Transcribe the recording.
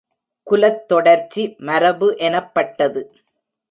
குலத்தொடர்ச்சி மரபு எனப்பட்டது.